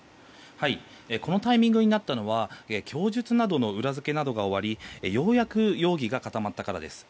このタイミングになったのは供述などの裏付けが終わりようやく容疑が固まったからです。